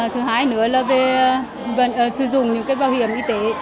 thứ hai nữa là về sử dụng những cái bảo hiểm y tế